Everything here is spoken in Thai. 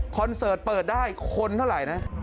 เสิร์ตเปิดได้คนเท่าไหร่นะ